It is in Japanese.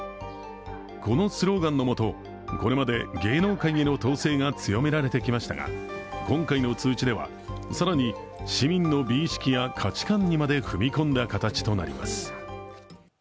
このスローガンのもと、これまで芸能界への統制が強められてきましたが、今回の通知では更に市民の美意識や価値観にまで踏み込んだ形となります。